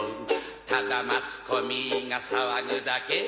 ただマスコミが騒ぐだけ